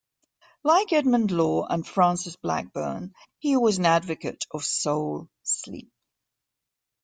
Like Edmund Law and Francis Blackburne, he was an advocate of soul sleep.